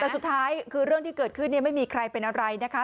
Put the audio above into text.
แต่สุดท้ายคือเรื่องที่เกิดขึ้นไม่มีใครเป็นอะไรนะคะ